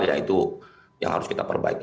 ya itu yang harus kita perbaiki